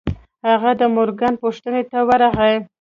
هغه د مورګان پوښتنې ته ورغی.